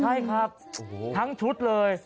ใช่ครับทั้งชุดเลย